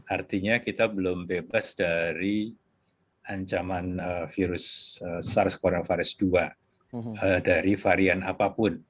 artinya kita belum bebas dari ancaman virus sars cov dua dari varian apapun